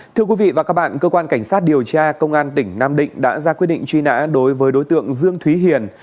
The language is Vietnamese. thưa quý vị và các bạn cơ quan cảnh sát điều tra công an tỉnh nam định đã ra quyết định truy nã đối với đối tượng dương thúy hiền